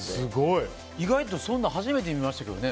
意外とそんなの初めて見ましたけど。